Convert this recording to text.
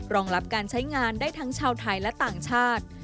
รองรับการใช้งานได้ทั้งชาวไทยและต่างชาติ